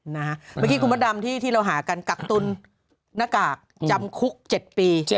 เมื่อกี้คุณพระดำที่เราหากันกักตุลหน้ากากจำคุก๗ปี